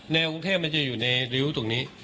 กรุงเทพมันจะอยู่ในริ้วตรงนี้